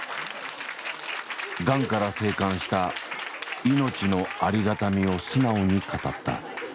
がんから生還した命のありがたみを素直に語った。